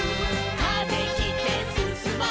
「風切ってすすもう」